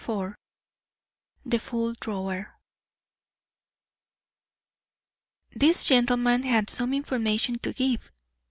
IV THE FULL DRAWER This gentleman had some information to give.